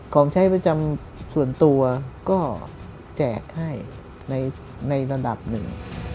ของใช้ประจำส่วนตัวก็แจกให้ในระดับหนึ่ง